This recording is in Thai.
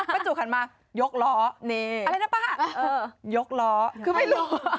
ป้าจุกขันมายกล้อ